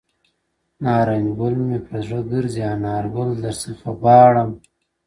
• نارنج ګل مي پر زړه ګرځي انارګل درڅخه غواړم ,